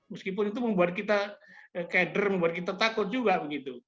meskipun itu membuat kita keder membuat kita takut juga begitu